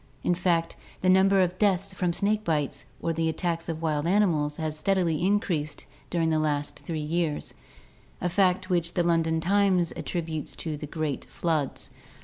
In fact, the number of deaths from snake bite or the attacks of wild animals has steadily increased during the last three years — a fact which the London Times attrib utes to the great floods.